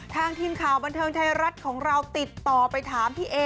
ทีมข่าวบันเทิงไทยรัฐของเราติดต่อไปถามพี่เอ